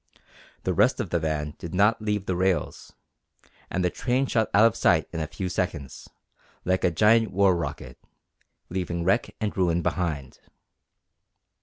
The rest of the van did not leave the rails, and the train shot out of sight in a few seconds, like a giant war rocket, leaving wreck and ruin behind!